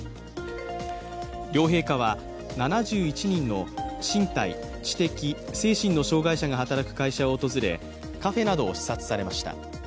両陛下は７１人の身体、知的、精神の障害者が働く会社を訪れカフェなどを視察されました。